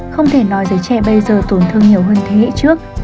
không thể nói giới trẻ bây giờ tổn thương nhiều hơn thế hệ trước